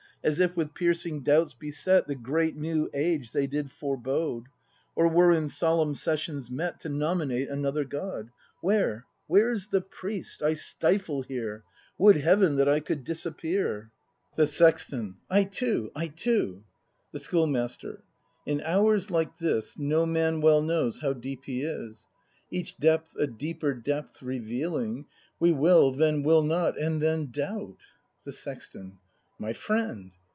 As if, with piercing doubts beset. The great new age they did forebode, Or were in solemn sessions met To nominate another God. Where, where's the priest,— I stifle here. Would heaven that I could disappear! The Sexton. I too, I too ! The Schoolmaster. In hours like this No man well knows how deep he is. Each depth a deeper depth revealing, We will, then will not, and then doubt The Sexton. My friend